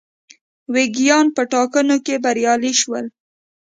ویګیان په ټاکنو کې بریالي شول.